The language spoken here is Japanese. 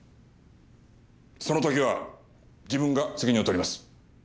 その時は自分が責任を取ります。